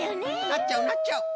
なっちゃうなっちゃう！